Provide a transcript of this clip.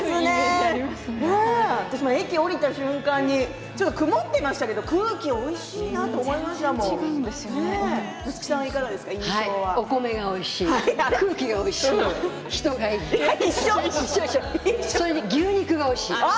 私も駅を降りた瞬間にちょっと曇っていましたけれども空気がおいしいなと全然違うんです。